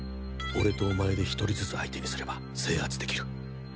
俺とお前で１人ずつ相手にすれば制圧できる。